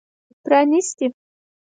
پرانیستي